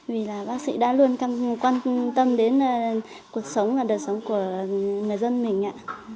vì là bác sĩ đã luôn quan tâm đến cuộc sống và đời sống của người dân mình